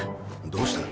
どうした？